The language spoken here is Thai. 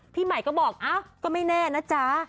พี่ใหม่ก็บอกเอ้าก็ไม่แน่นะจ๊ะ